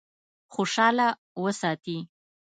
خوشاله وساتي.